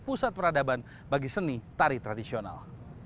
pusat peradaban bagi seni tari tradisional